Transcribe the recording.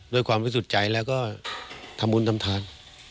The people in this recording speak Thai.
ด้วยความวิสุทธิ์ใจแล้วก็ทำบุญทำทาน